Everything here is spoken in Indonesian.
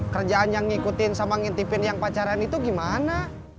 kerjaan yang ngikutin sama ngintipin yang pacaran itu gimana